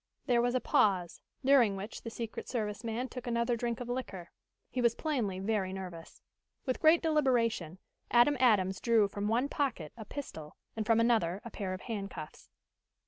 There was a pause, during which the secret service man took another drink of liquor. He was plainly very nervous. With great deliberation, Adam Adams drew from one pocket a pistol, and from another a pair of handcuffs.